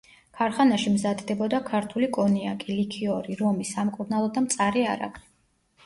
ქარხანაში მზადდებოდა ქართული კონიაკი, ლიქიორი, რომი, სამკურნალო და მწარე არაყი.